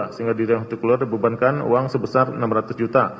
sehingga dildin hulti kura dibebankan uang sebesar rp enam ratus juta